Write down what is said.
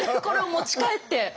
これを持ち帰って。